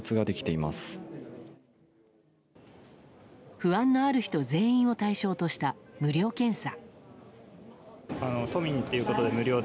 不安のある人全員を対象とした無料検査。